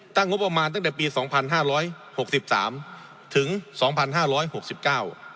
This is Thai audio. งบประมาณตั้งแต่ปีสองพันห้าร้อยหกสิบสามถึงสองพันห้าร้อยหกสิบเก้า